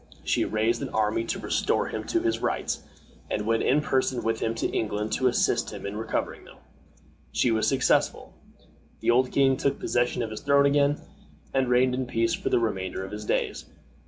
She raised an army to restore him to his rights, and went in person with him to England to assist him in recovering them. She was successful. The old king took possession of his throne again, and reigned in peace for the remainder of his days.